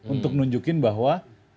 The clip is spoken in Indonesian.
untuk nunjukin bahwa